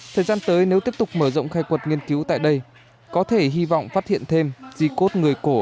thời gian tới nếu tiếp tục mở rộng khai quật nghiên cứu tại đây có thể hy vọng phát hiện thêm di cốt người cổ